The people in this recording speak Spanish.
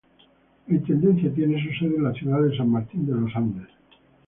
La intendencia tiene su sede en la ciudad de San Martín de los Andes.